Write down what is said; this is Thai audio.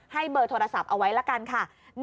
เบอร์โทรศัพท์เอาไว้ละกันค่ะ